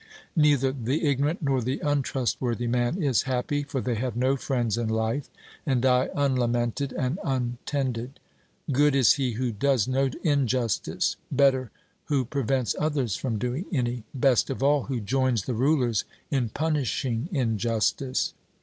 Neither the ignorant nor the untrustworthy man is happy; for they have no friends in life, and die unlamented and untended. Good is he who does no injustice better who prevents others from doing any best of all who joins the rulers in punishing injustice.